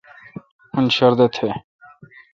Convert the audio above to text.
اون شردہ تھ۔